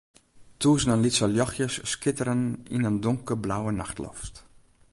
Tûzenen lytse ljochtsjes skitteren yn in donkerblauwe nachtloft.